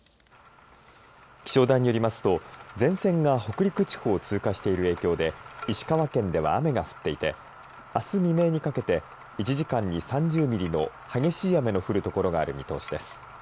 気象台によりますと前線が北陸地方を通過している影響で石川県では雨が降っていてあす未明にかけて１時間に３０ミリの激しい雨の降る所がある見通しです。